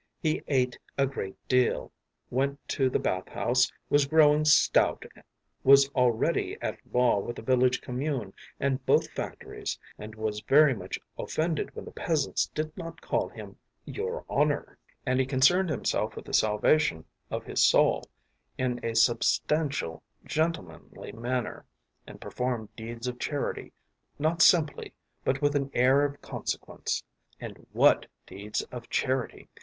He ate a great deal, went to the bath house, was growing stout, was already at law with the village commune and both factories, and was very much offended when the peasants did not call him ‘Your Honour.’ And he concerned himself with the salvation of his soul in a substantial, gentlemanly manner, and performed deeds of charity, not simply, but with an air of consequence. And what deeds of charity!